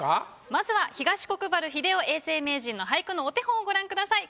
まずは東国原英夫永世名人の俳句のお手本をご覧ください。